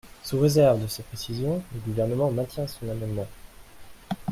Sous réserve de ces précisions, le Gouvernement maintient son amendement.